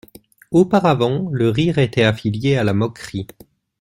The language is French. Auparavant, le rire était affilié à la moquerie.